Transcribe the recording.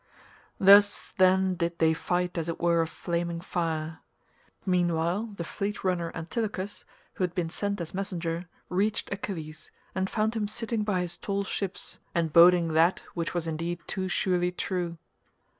Thus then did they fight as it were a flaming fire. Meanwhile the fleet runner Antilochus, who had been sent as messenger, reached Achilles, and found him sitting by his tall ships and boding that which was indeed too surely true.